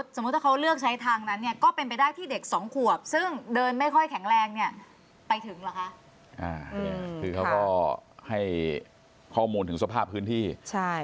แรงเนี่ยไปถึงหรอคะเขาก็ให้ข้อมูลถึงสภาพพื้นที่ใช่